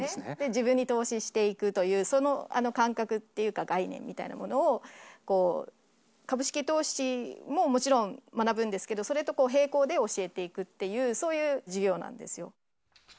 自分に投資していくという、その感覚っていうか概念みたいなものを、株式投資ももちろん学ぶんですけど、それと並行で教えていくっていう、そういう授業なんですよ。